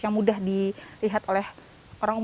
yang mudah dilihat oleh orang orang